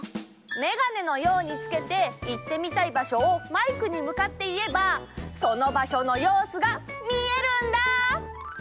メガネのようにつけていってみたい場所をマイクにむかっていえばその場所のようすがみえるんだ！